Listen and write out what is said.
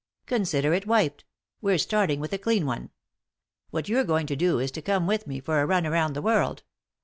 Consider it wiped — we're starting with a clean one. What you're going to do is to come with me for a run round the world.